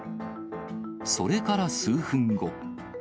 それから数分後。